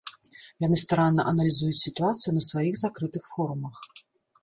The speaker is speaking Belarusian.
Яны старанна аналізуюць сітуацыю на сваіх закрытых форумах.